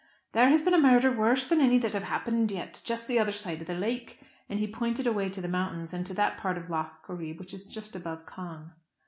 "There has been a murder worse than any that have happened yet, just the other side of the lake," and he pointed away to the mountains, and to that part of Lough Corrib which is just above Cong.